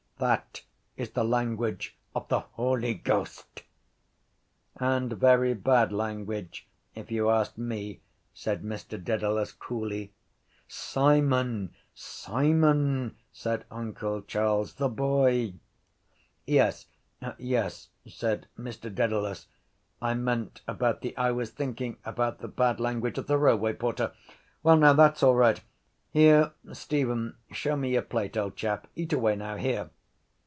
_ That is the language of the Holy Ghost. —And very bad language if you ask me, said Mr Dedalus coolly. —Simon! Simon! said uncle Charles. The boy. —Yes, yes, said Mr Dedalus. I meant about the... I was thinking about the bad language of the railway porter. Well now, that’s all right. Here, Stephen, show me your plate, old chap. Eat away now. Here.